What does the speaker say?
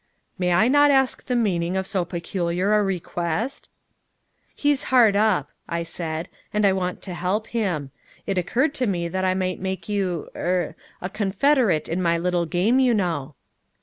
"May I not ask the meaning of so peculiar a request?" "He's hard up," I said, "and I want to help him. It occurred to me that I might make you er a confederate in my little game, you know."